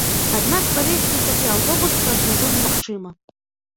Аднак правезці такі аўтобус праз мяжу немагчыма.